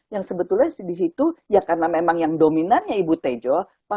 yang sebetulnya di situ ya karena memang yang berada di luas